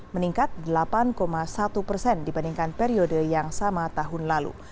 meningkat delapan satu persen dibandingkan periode yang sama tahun lalu